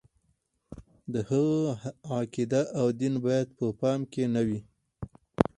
د هغه عقیده او دین باید په پام کې نه وي.